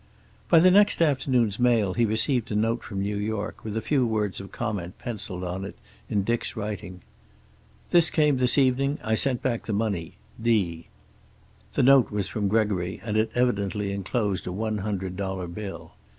By the next afternoon's mail he received a note from New York, with a few words of comment penciled on it in Dick's writing. "This came this evening. I sent back the money. D." The note was from Gregory and had evidently enclosed a one hundred dollar bill.